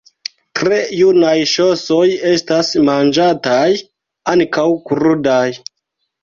Tre junaj ŝosoj estas manĝataj ankaŭ krudaj.